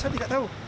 saya tidak tahu